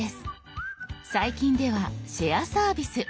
最近では「シェアサービス」。